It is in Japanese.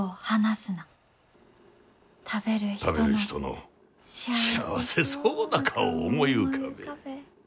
食べる人の幸せそうな顔を思い浮かべえ。